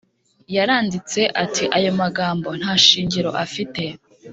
. yaranditse ati “ayo magambo nta shingiro afite